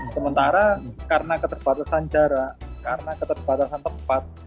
sementara karena keterbatasan jarak karena keterbatasan tempat